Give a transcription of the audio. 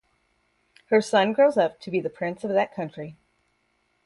Her son grows up to be the prince of that country.